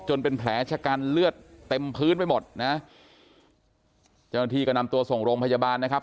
เป็นแผลชะกันเลือดเต็มพื้นไปหมดนะเจ้าหน้าที่ก็นำตัวส่งโรงพยาบาลนะครับ